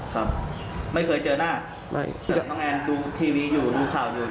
ครับไม่เคยเจอหน้าน้องแอนดูทีวีอยู่ดูข่าวอยู่